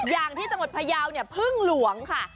อย่างที่จังหวัดพยาวเนี่ยพึ่งหลวงค่ะ